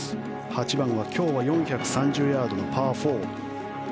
８番は今日は４３０ヤードのパー４。